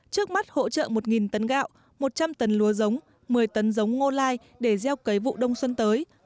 trước mắt hỗ trợ một tấn gạo một trăm linh tấn lúa giống một mươi tấn giống ngô lai để gieo cấy vụ đông xuân tới